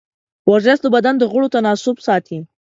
ورزش د بدن د غړو تناسب ساتي.